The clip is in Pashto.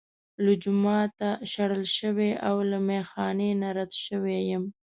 له جوماته شړل شوی او له میخا نه رد شوی یم.